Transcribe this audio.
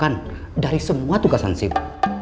kamu senang aktifkan dari semua tugas hansip